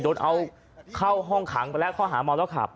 โดนเอาเข้าห้องขังไปแล้วข้อหาเมาแล้วขับ